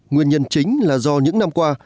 nguyên nhân chính là do những năm qua